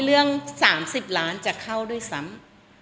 เรื่อง๓๐ล้านจะเข้าด้วยซ้ำ